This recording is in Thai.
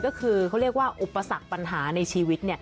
ก็คือเขาเรียกว่าอุปสรรคปัญหาในชีวิต